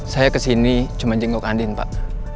saya kesini cuma jenggok andin pak